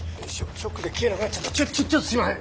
ちょっちょっとすいません！